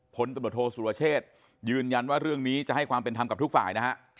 พลตำรวจโทษสุรเชษยืนยันว่าเรื่องนี้จะให้ความเป็นธรรมกับทุกฝ่ายนะฮะ